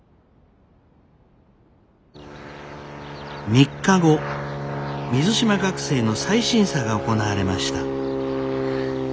３日後水島学生の再審査が行われました。